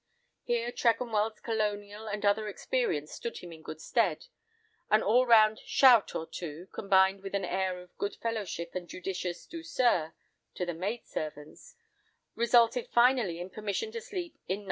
Here Tregonwell's colonial and other experience stood him in good stead—an all round "shout" or two, combined with an air of good fellowship, and judicious douceurs to the maid servants, resulted finally in permission to sleep in No.